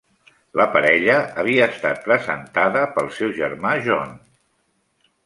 La parella havia estat presentada pel seu germà John.